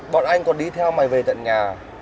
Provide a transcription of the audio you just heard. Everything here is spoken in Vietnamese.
bọn anh còn đi theo mày về tận nhà